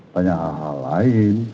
banyak hal hal lain